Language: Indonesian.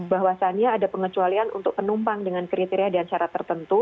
bahwasannya ada pengecualian untuk penumpang dengan kriteria dan syarat tertentu